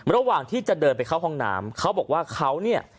ระหว่างที่จะเดินไปเข้าห้องน้ำเขาบอกว่าเขาเนี่ย